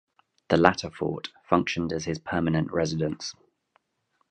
The latter fort functioned as his permanent residence.